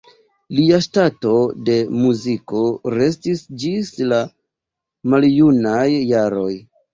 Lia ŝtato de muziko restis ĝis la maljunaj jaroj.